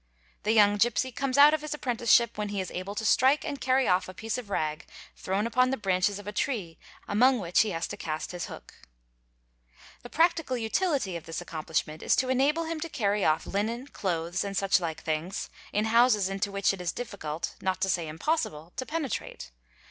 The young gipsy comes out of his apprenticeship when he is able to strike and carry off a piece of rag thrown upon the branches of a tree ~ among which he has to cast his hook. | The practical utility of this accomplishment is to enable him to carry > off linen, clothes, and such like things, in houses into which it is difficult, not to say impossible, to penetrate.